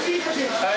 はい。